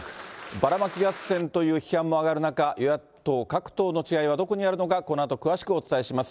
ばらまき合戦という批判も上がる中、野党各党の違いはどこにあるのか、このあと詳しくお伝えします。